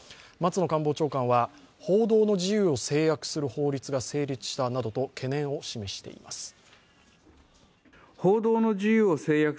松野官房長官は報道の自由を制約する法律が成立したなどと懸念を示しています。